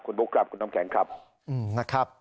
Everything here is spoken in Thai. คุณบุ๊คครับคุณน้ำแข็งครับ